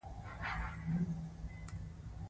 زردالو خوږه مېوه ده.